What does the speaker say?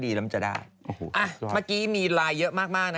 มีจับตัวกัน